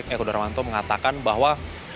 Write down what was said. eko darmanto mengatakan bahwa